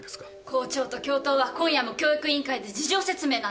校長と教頭は今夜も教育委員会で事情説明なんですよ。